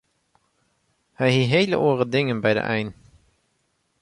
Hy hie hele oare dingen by de ein.